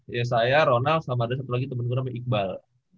dua ysy ronald sama ada satu lagi temen gue namanya iqbal